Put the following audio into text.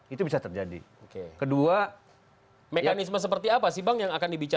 itu bisa terjadi